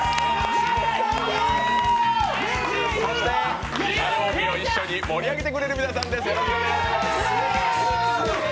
そして、火曜日を一緒に盛り上げてくれる皆さんです。